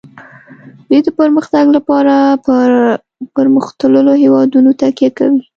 دوی د پرمختګ لپاره په پرمختللو هیوادونو تکیه کوي